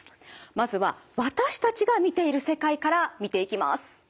まずは私たちが見ている世界から見ていきます。